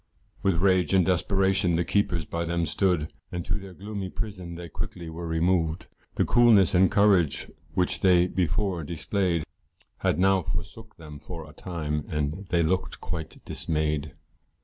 With rage and desperation the keepers by them stood, And to their gloomy prison they quickly were removed, The coolness and courage which they before displayed, Had now forsook them for a time, and they look'd quite dismay'd.